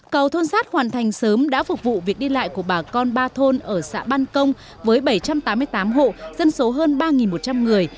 cầu thôn sát hoàn thành sớm đã phục vụ việc đi lại của bà con ba thôn ở xã ban công với bảy trăm tám mươi tám hộ dân số hơn ba một trăm linh người